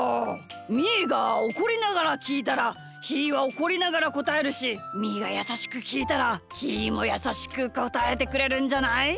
みーがおこりながらきいたらひーはおこりながらこたえるしみーがやさしくきいたらひーもやさしくこたえてくれるんじゃない？